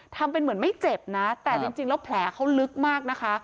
ทำเป็นเหมือนไม่เจ็บนะแต่จริงแล้วแผลเขาลึกมากนะคะ